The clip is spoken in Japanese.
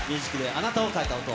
あなたを変えた音。